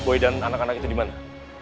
bu dan anak anak itu dimana